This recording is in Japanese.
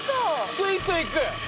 スイスイいく。